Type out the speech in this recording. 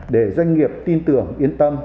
để doanh nghiệp tin tưởng yên tâm